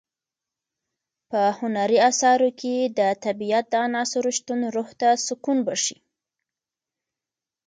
په هنري اثارو کې د طبیعت د عناصرو شتون روح ته سکون بښي.